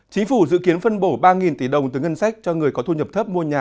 chính phủ dự kiến phân bổ ba tỷ đồng từ ngân sách cho người có thu nhập thấp mua nhà